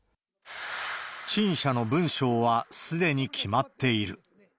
陳謝の文書はすでに決まっている。